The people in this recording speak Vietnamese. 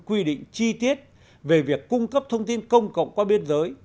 quy định chi tiết về việc cung cấp thông tin công cộng qua biên giới